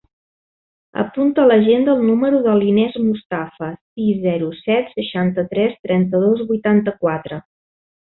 Apunta a l'agenda el número de l'Inés Mustafa: sis, zero, set, seixanta-tres, trenta-dos, vuitanta-quatre.